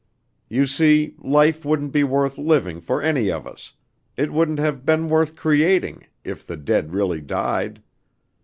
You see, life wouldn't be worth living for any of us it wouldn't have been worth creating if the dead really died.